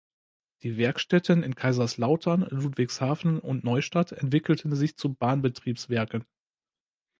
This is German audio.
Die Werkstätten in Kaiserslautern, Ludwigshafen und Neustadt entwickelten sich zu Bahnbetriebswerken.